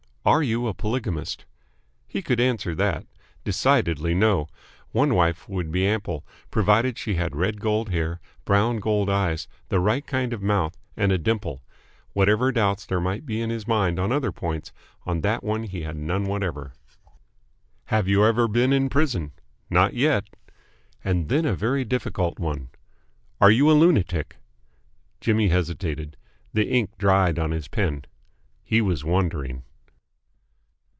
"Are you a polygamist?" He could answer that. Decidedly no. One wife would be ample provided she had red gold hair, brown gold eyes, the right kind of mouth, and a dimple. Whatever doubts there might be in his mind on other points, on that one he had none whatever. "Have you ever been in prison?" Not yet. And then a very difficult one. "Are you a lunatic?" Jimmy hesitated. The ink dried on his pen. He was wondering.